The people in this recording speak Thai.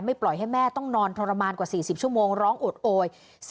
ปล่อยให้แม่ต้องนอนทรมานกว่า๔๐ชั่วโมงร้องโอดโอย